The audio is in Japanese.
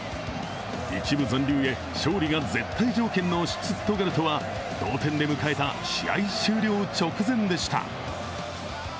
１部残留へ勝利が絶対条件のシュツットガルトは同点で迎えた試合終了直前でした。